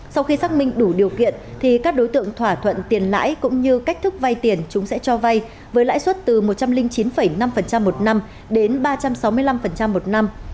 sau khi xác minh đủ điều kiện thì các đối tượng thỏa thuận tiền lãi cũng như cách thức vay tiền chúng sẽ cho vay với lãi suất từ một trăm linh chín năm một năm đến ba trăm sáu mươi năm một năm